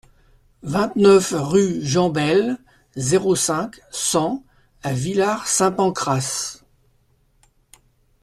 vingt-neuf rue Jean Bayle, zéro cinq, cent à Villar-Saint-Pancrace